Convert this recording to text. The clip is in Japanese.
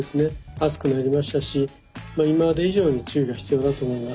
暑くなりましたし今まで以上に注意が必要だと思います。